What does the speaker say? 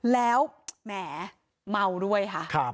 แล้วแหมเมาด้วยค่ะ